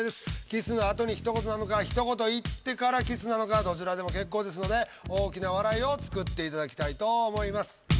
キスのあとに一言なのか一言言ってからキスなのかどちらでも結構ですので大きな笑いを作っていただきたいと思います。